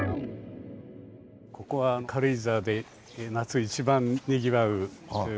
ここは軽井沢で夏一番にぎわうえっ